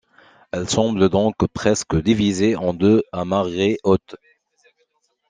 Elle semble donc presque divisée en deux à marée haute.